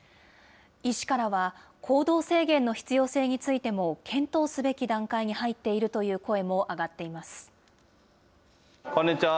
医師からは、行動制限の必要性についても検討すべき段階に入っているという声こんにちは。